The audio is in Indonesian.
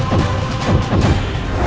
aku akan menang